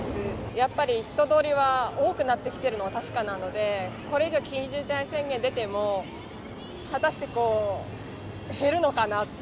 やっぱり人通りは多くなってきているのは確かなので、これ以上緊急事態宣言出ても、果たして減るのかな。